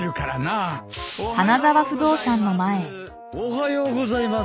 おはようございます。